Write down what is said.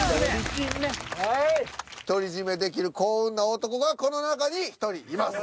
独り占めできる幸運な男がこの中に１人います。